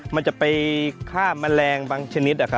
มันจะไปฆ่าแมลงบางชนิด